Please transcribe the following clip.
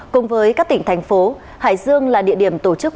cùng với các tỉnh thành phố hải dương là địa điểm tổ chức